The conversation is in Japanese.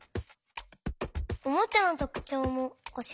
おもちゃのとくちょうもおしえて！